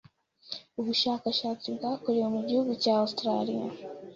Ubushakashatsi bwakorewe mu gihugu cya Australia